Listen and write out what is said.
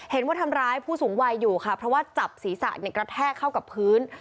เห็นว่าทำร้ายผู้สูงวัยอยู่ค่ะเพราะว่าจับศีรษะกระแทกเข้ากับพื้น